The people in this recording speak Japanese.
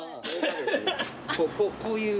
こういう。